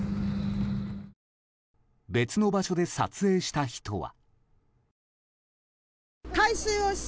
別の場所で撮影した人は。